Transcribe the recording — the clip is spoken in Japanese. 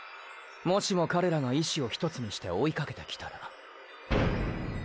もしも彼らが意思をひとつにして追いかけてきたら。